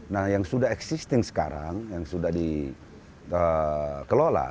nah yang sudah existing sekarang yang sudah dikelola